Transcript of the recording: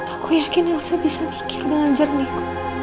aku yakin elsa bisa mikir dengan jernih